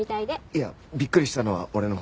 いやびっくりしたのは俺のほう。